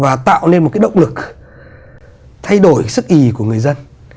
và tạo nên một cái động lực thay đổi sức ý của người dân